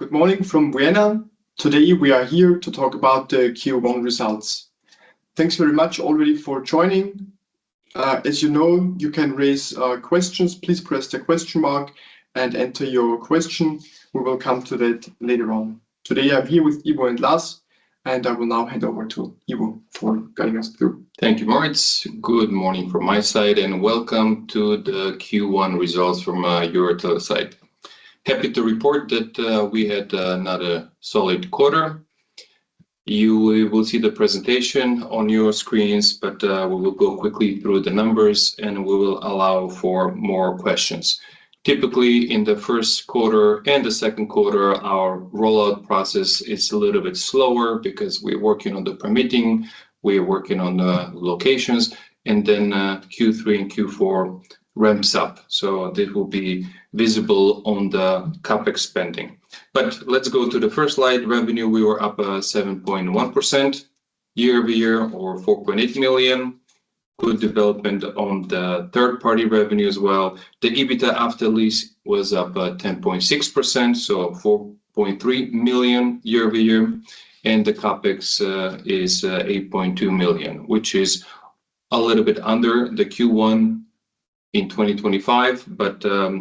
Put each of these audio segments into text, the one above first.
Good morning from Vienna. Today, we are here to talk about the Q1 results. Thanks very much already for joining. As you know, you can raise questions. Please press the question mark and enter your question. We will come to that later on. Today, I'm here with Ivo and Lars, and I will now hand over to Ivo for guiding us through. Thank you, Moritz. Good morning from my side, and welcome to the Q1 results from EuroTeleSites. Happy to report that we had another solid quarter. You will see the presentation on your screens, but we will go quickly through the numbers, and we will allow for more questions. Typically, in the first quarter and the second quarter, our rollout process is a little bit slower because we're working on the permitting, we're working on the locations, and then Q3 and Q4 ramps up. That will be visible on the CapEx spending. Let's go to the first slide. Revenue, we were up 7.1% year-over-year or 4.8 million. Good development on the third-party revenue as well. The EBITDA after leases was up 10.6%, so 4.3 million year-over-year. The CapEx is 8.2 million, which is a little bit under the Q1 in 2025.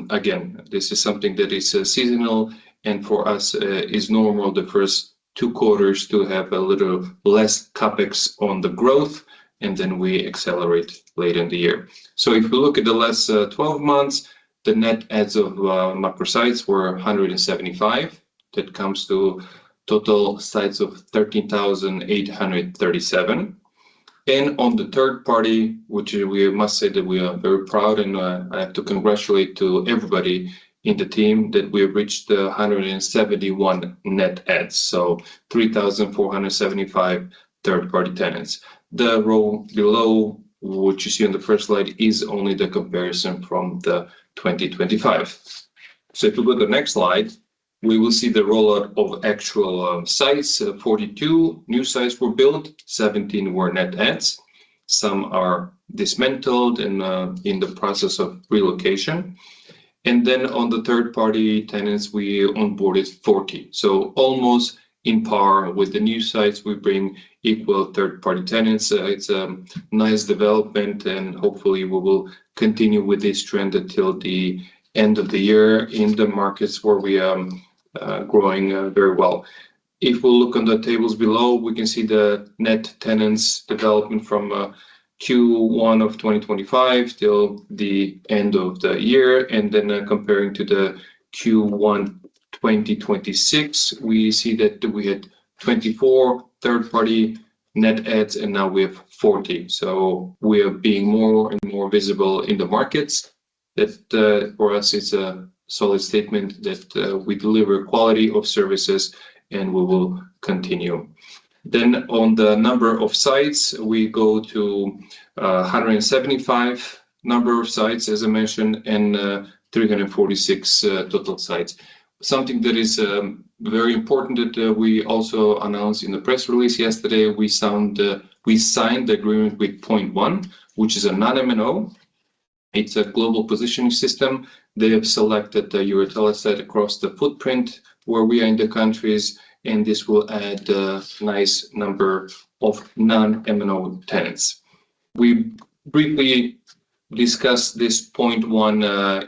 Again, this is something that is seasonal and for us is normal the first two quarters to have a little less CapEx on the growth, and then we accelerate later in the year. If we look at the last 12 months, the net adds of macro sites were 175. That comes to total sites of 13,837. On the third party, which we must say that we are very proud and I have to congratulate to everybody in the team that we reached 171 net adds. 3,475 third-party tenants. The row below, which you see on the first slide, is only the comparison from the 2025. If you look at the next slide, we will see the rollout of actual sites. 42 new sites were built, 17 were net adds. Some are dismantled and in the process of relocation. On the third-party tenants, we onboarded 40. Almost on par with the new sites, we bring equal third-party tenants. It's a nice development, and hopefully we will continue with this trend until the end of the year in the markets where we are growing very well. If we look on the tables below, we can see the net tenants development from Q1 of 2025 till the end of the year. Comparing to the Q1 2026, we see that we had 24 third-party net adds, and now we have 40. We are being more and more visible in the markets. That for us is a solid statement that we deliver quality of services, and we will continue. On the number of sites, we go to 175 number of sites, as I mentioned, and 346 total sites. Something that is very important that we also announced in the press release yesterday, we signed the agreement with Point One, which is a non-MNO. It's a Global Positioning System. They have selected the EuroTeleSites across the footprint where we are in the countries, and this will add a nice number of non-MNO tenants. We briefly discussed this Point One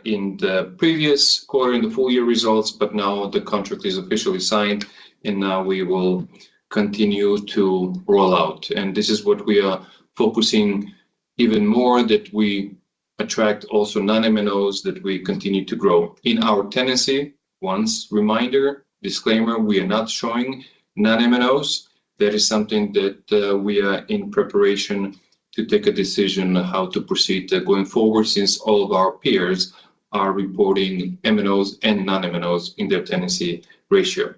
in the previous quarter, in the full-year results, but now the contract is officially signed, and now we will continue to roll out. This is what we are focusing even more that we attract also non-MNOs that we continue to grow. In our tenancy, one reminder, disclaimer, we are not showing non-MNOs. That is something that we are in preparation to take a decision how to proceed going forward since all of our peers are reporting MNOs and non-MNOs in their tenancy ratio.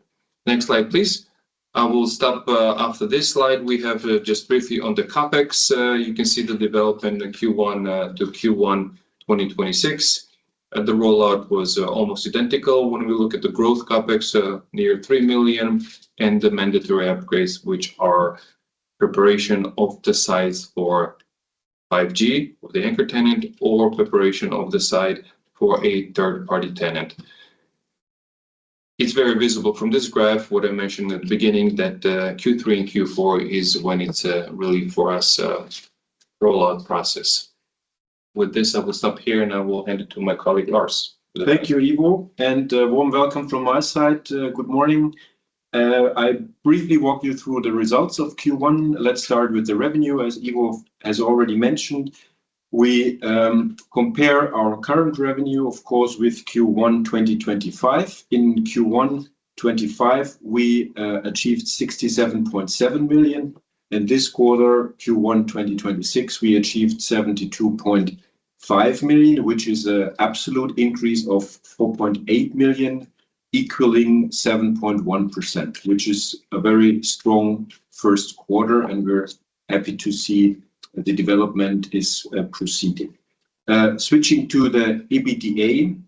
Next slide, please. I will stop after this slide. We have just briefly on the CapEx. You can see the development in Q1 to Q1 2026. The rollout was almost identical. When we look at the growth CapEx, near 3 million, and the mandatory upgrades, which are preparation of the sites for 5G or the anchor tenant or preparation of the site for a third-party tenant. It's very visible from this graph what I mentioned at the beginning that Q3 and Q4 is when it's really for us rollout process. With this, I will stop here, and I will hand it to my colleague, Lars. Thank you, Ivo. Warm welcome from my side. Good morning. I briefly walk you through the results of Q1. Let's start with the revenue, as Ivo has already mentioned. We compare our current revenue, of course, with Q1 2025. In Q1 2025, we achieved 67.7 million. In this quarter, Q1 2026, we achieved 72.5 million, which is an absolute increase of 4.8 million, equaling 7.1%, which is a very strong first quarter, and we're happy to see the development is proceeding. Switching to the EBITDA,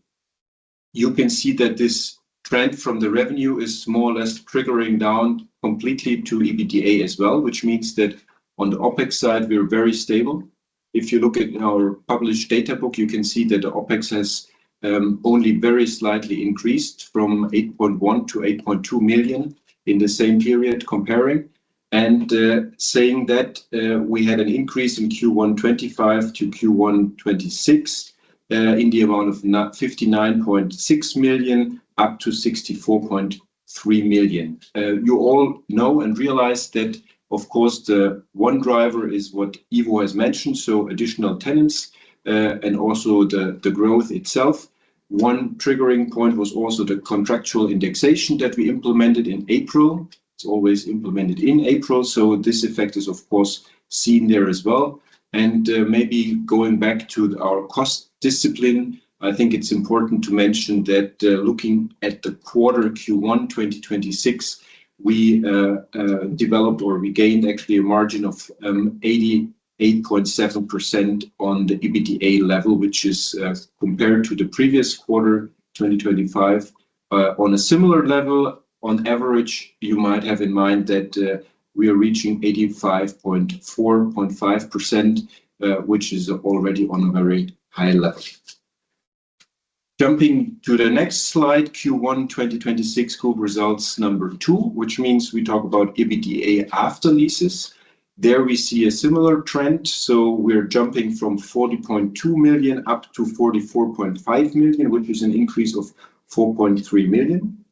you can see that this trend from the revenue is more or less trickling down completely to EBITDA as well, which means that on the OpEx side, we're very stable. If you look at our published data book, you can see that the OpEx has only very slightly increased from 8.1 million to 8.2 million in the same period comparing and saying that we had an increase in Q1 2025 to Q1 2026 in the amount of 59.6 million up to 64.3 million. You all know and realize that, of course, the one driver is what Ivo has mentioned, so additional tenants and also the growth itself. One triggering point was also the contractual indexation that we implemented in April. It's always implemented in April, so this effect is, of course, seen there as well. Maybe going back to our cost discipline, I think it's important to mention that looking at the quarter Q1 2026, we developed or we gained actually a margin of 88.7% on the EBITDA level, which is compared to the previous quarter 2025. On a similar level, on average, you might have in mind that we are reaching 85.45%, which is already on a very high level. Jumping to the next slide, Q1 2026 group results number two, which means we talk about EBITDA after leases. There we see a similar trend. We're jumping from 40.2 million up to 44.5 million, which is an increase of 4.3 million.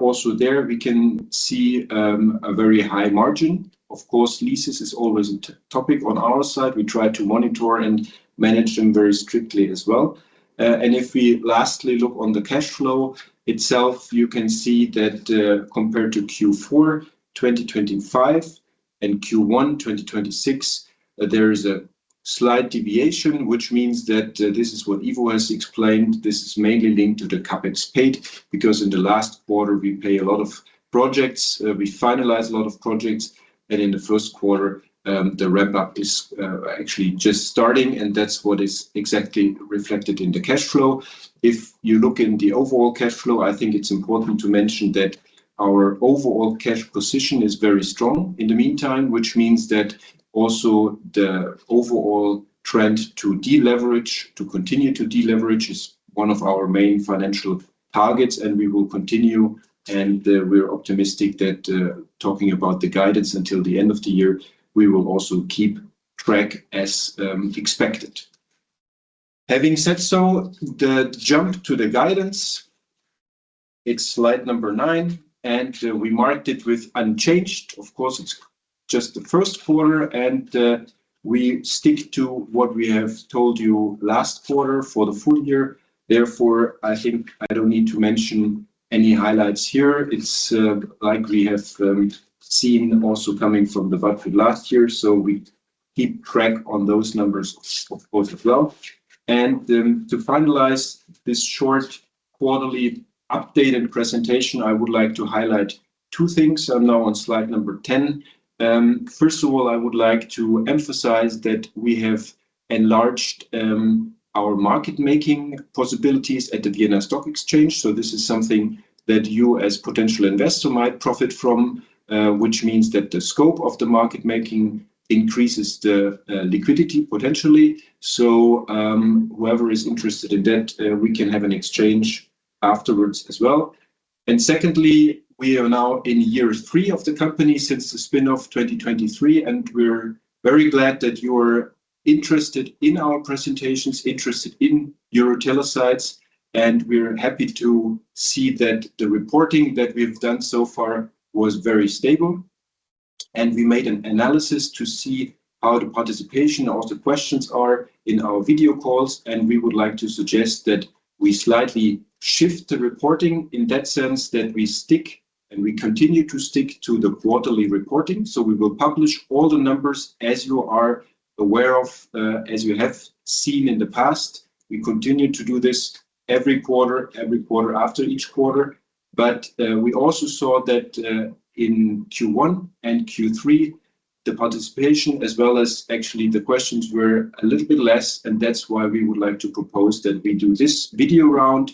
Also there we can see a very high margin. Of course, leases is always a topic on our side. We try to monitor and manage them very strictly as well. If we lastly look on the cash flow itself, you can see that compared to Q4 2025 and Q1 2026, there is a slight deviation, which means that this is what Ivo has explained. This is mainly linked to the CapEx paid, because in the last quarter, we pay a lot of projects, we finalize a lot of projects, and in the first quarter, the ramp-up is actually just starting, and that's what is exactly reflected in the cash flow. If you look in the overall cash flow, I think it's important to mention that our overall cash position is very strong in the meantime, which means that also the overall trend to deleverage, to continue to deleverage is one of our main financial targets and we will continue and we're optimistic that talking about the guidance until the end of the year, we will also keep track as expected. Having said so, the jump to the guidance, it's slide number nine, and we marked it with unchanged. Of course, it's just the first quarter, and we stick to what we have told you last quarter for the full year. Therefore, I think I don't need to mention any highlights here. It's like we have seen also coming from the back half last year. We keep track on those numbers, of course, as well. To finalize this short quarterly updated presentation, I would like to highlight two things. I'm now on slide number 10. First of all, I would like to emphasize that we have enlarged our market making possibilities at the Vienna Stock Exchange. This is something that you as potential investor might profit from, which means that the scope of the market making increases the liquidity potentially. Whoever is interested in that, we can have an exchange afterwards as well. Secondly, we are now in year three of the company since the spin-off 2023, and we're very glad that you're interested in our presentations, interested in EuroTeleSites, and we're happy to see that the reporting that we've done so far was very stable. We made an analysis to see how the participation of the questions are in our video calls, and we would like to suggest that we slightly shift the reporting in that sense that we stick and we continue to stick to the quarterly reporting. We will publish all the numbers as you are aware of, as you have seen in the past. We continue to do this every quarter, every quarter after each quarter. We also saw that in Q1 and Q3, the participation as well as actually the questions were a little bit less, and that's why we would like to propose that we do this video round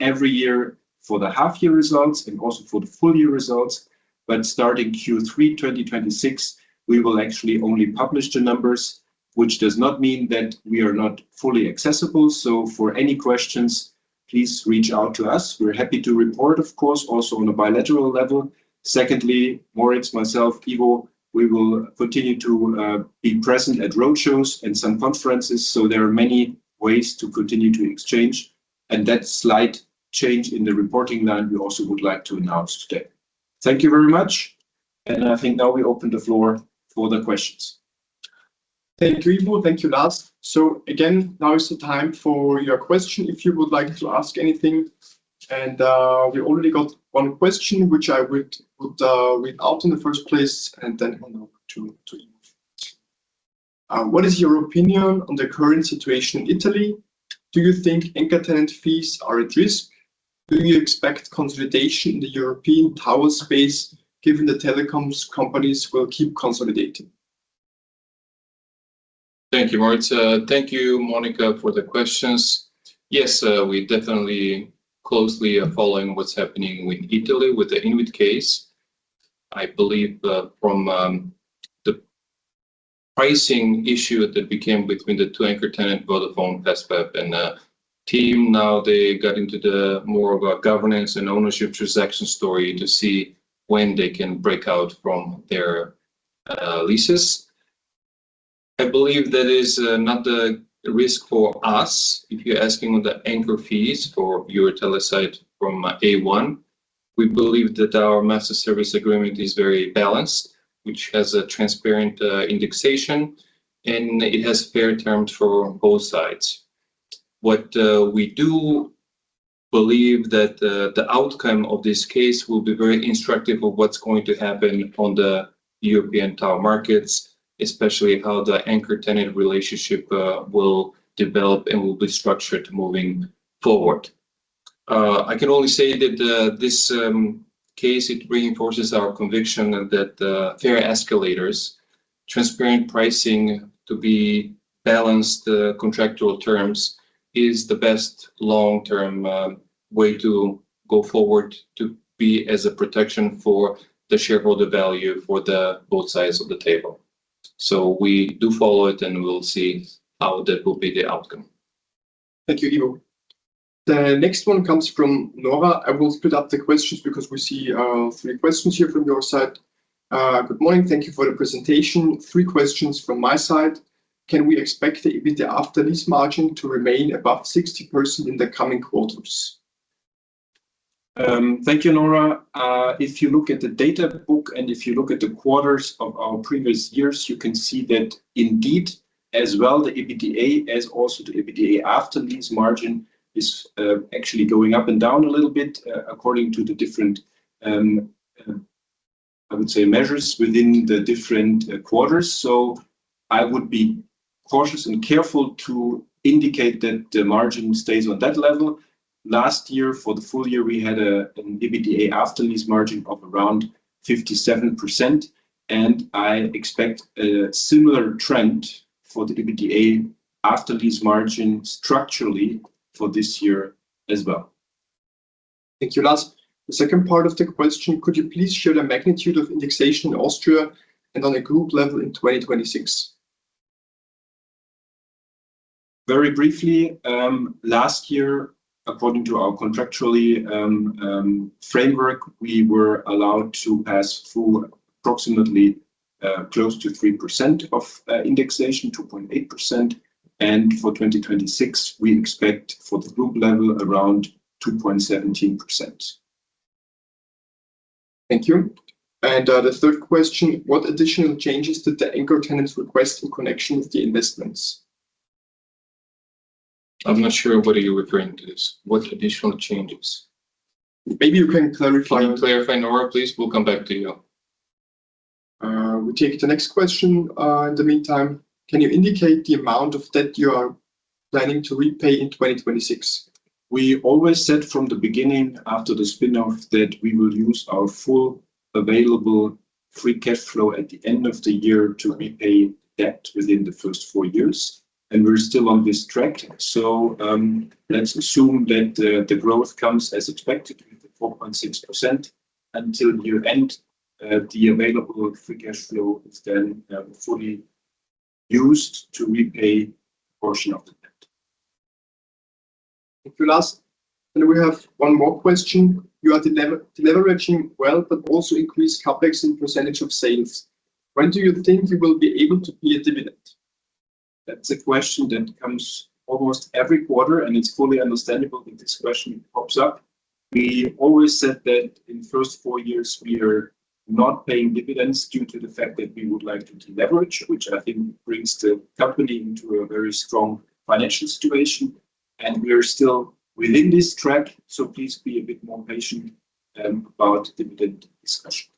every year for the half year results and also for the full year results. Starting Q3 2026, we will actually only publish the numbers, which does not mean that we are not fully accessible. For any questions, please reach out to us. We're happy to report, of course, also on a bilateral level. Secondly, Moritz, myself, and Ivo, we will continue to be present at roadshows and some conferences. There are many ways to continue to exchange. That slight change in the reporting line, we also would like to announce today. Thank you very much. I think now we open the floor for the questions. Thank you, Ivo. Thank you, Lars. Again, now is the time for your question if you would like to ask anything. We already got one question, which I would read out in the first place, and then hand over to Ivo. What is your opinion on the current situation in Italy? Do you think anchor tenant fees are at risk? Do you expect consolidation in the European tower space given the telecoms companies will keep consolidating? Thank you, Moritz. Thank you, Monica, for the questions. Yes, we're definitely closely following what's happening in Italy with the INWIT case. I believe from the pricing issue that became between the two anchor tenants, Vodafone, TSB, and the team now, they got into more of a governance and ownership transaction story to see when they can break out from their leases. I believe that is not a risk for us. If you're asking the anchor fees for EuroTeleSites from day one, we believe that our Master Service Agreement is very balanced, which has a transparent indexation, and it has fair terms for both sides. What we do believe that the outcome of this case will be very instructive of what's going to happen on the European tower markets, especially how the anchor tenant relationship will develop and will be structured moving forward. I can only say that this case, it reinforces our conviction that fair escalators, transparent pricing to be balanced contractual terms is the best long-term way to go forward to be as a protection for the shareholder value for both sides of the table. We do follow it, and we'll see how that will be the outcome. Thank you, Ivo. The next one comes from Nora. I will split up the questions because we see three questions here from your side. Good morning. Thank you for the presentation. Three questions from my side. Can we expect the EBITDA after leases margin to remain above 60% in the coming quarters? Thank you, Nora. If you look at the data book, and if you look at the quarters of our previous years, you can see that indeed, as well, the EBITDA, as also the EBITDA after leases margin is actually going up and down a little bit according to the different, I would say, measures within the different quarters. I would be cautious and careful to indicate that the margin stays on that level. Last year, for the full year, we had an EBITDA after leases margin of around 57%, and I expect a similar trend for the EBITDA after leases margin structurally for this year as well. Thank you. Lars, the second part of the question, could you please share the magnitude of indexation in Austria and on a group level in 2026? Very briefly, last year, according to our contractual framework, we were allowed to pass through approximately close to 3% of indexation, 2.8%, and for 2026, we expect for the group level around 2.17%. Thank you. The third question, what additional changes did the anchor tenants request in connection with the investments? I'm not sure what are you referring to. What additional changes? Maybe you can clarify. Can you clarify, Nora, please? We'll come back to you. We take the next question in the meantime. Can you indicate the amount of debt you are planning to repay in 2026? We always said from the beginning after the spin-off that we will use our full available free cash flow at the end of the year to repay debt within the first four years, and we're still on this track. Let's assume that the growth comes as expected with the 4.6% until year-end. The available free cash flow is then fully used to repay a portion of the debt. Thank you, Lars. We have one more question. You are deleveraging well, but also increase CapEx in percentage of sales. When do you think you will be able to pay a dividend? That's a question that comes almost every quarter, and it's fully understandable that this question pops up. We always said that in the first four years, we are not paying dividends due to the fact that we would like to deleverage, which I think brings the company into a very strong financial situation, and we are still within this track, so please be a bit more patient about the dividend discussion.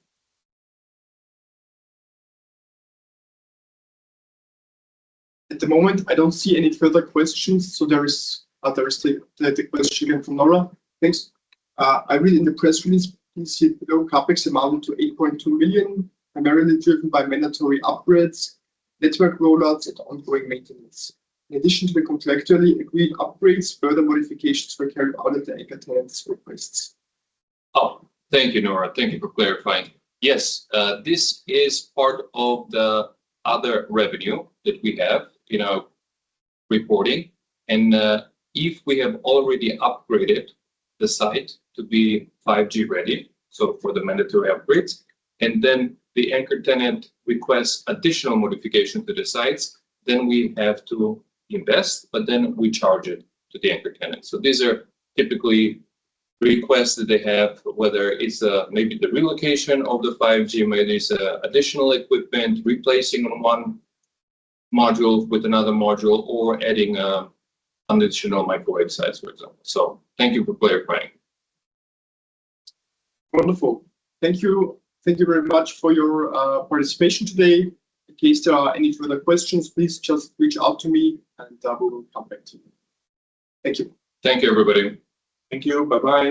At the moment, I don't see any further questions. There is the question from Nora. Thanks. I read in the press release, [organic] low CapEx amounted to 8.2 million, primarily driven by mandatory upgrades, network rollouts, and ongoing maintenance. In addition to the contractually agreed upgrades, further modifications were carried out at the anchor tenants' requests. Oh, thank you, Nora. Thank you for clarifying. Yes. This is part of the other revenue that we have in our reporting, and if we have already upgraded the site to be 5G ready, so for the mandatory upgrades, and then the anchor tenant requests additional modification to the sites, then we have to invest, but then we charge it to the anchor tenant. These are typically requests that they have, whether it's maybe the relocation of the 5G where there's additional equipment, replacing one module with another module or adding additional microwave sites, for example. Thank you for clarifying. Wonderful. Thank you. Thank you very much for your participation today. In case there are any further questions, please just reach out to me, and I will come back to you. Thank you. Thank you, everybody. Thank you. Bye-bye